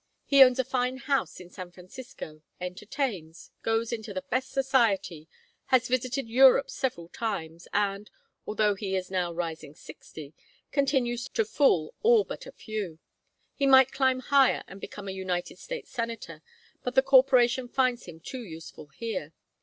He owns a fine house in San Francisco, entertains, goes into the best society, has visited Europe several times, and, although he is now rising sixty, continues to fool all but a few. He might climb higher and become a United States Senator, but the corporation finds him too useful here.